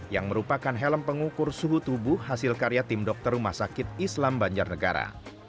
yang merupakan helm pengukur suhu tubuh hasil karya tim dokter rumah sakit islam banjarnegara